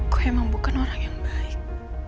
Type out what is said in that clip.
kau memang bukan orang yang baik